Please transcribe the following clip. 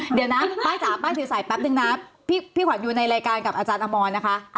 เดี่ยวนะใบ้จามใบ้จือใส่แป๊บนึงนะพี่ควันในรายการกับอาจารย์อำมอลนะคะอันนี้เผื่อ